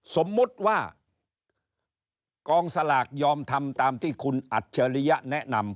สมมุติว่ากองสลากยอมทำตามที่คุณอัจฉริยะแนะนำ